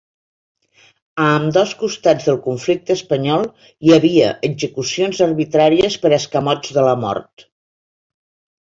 A ambdós costats del conflicte espanyol hi havia execucions arbitràries per escamots de la mort.